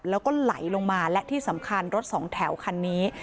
แล้วก็ไหลลงมาและที่สำคัญรถสองแถวคันนี้